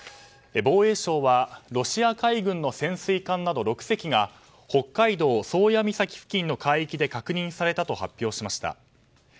防衛省はロシア海軍の潜水艦など６隻が北海道宗谷岬付近の海域で確認されたと発表しました。